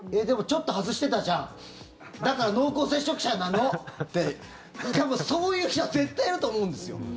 でも、ちょっと外してたじゃんだから濃厚接触者なの！って多分、そういう人は絶対いると思うんですよ。